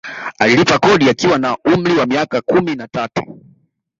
Alilipa kodi akiwa na umri wa miaka kumi na tatu